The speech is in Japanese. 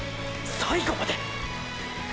最後まで⁉！